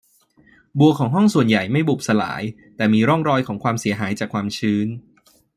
บัวของห้องส่วนใหญ่ไม่บุบสลาย แต่มีร่องรอยของความเสียหายจากความชื้น